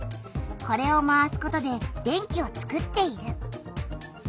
これを回すことで電気をつくっている。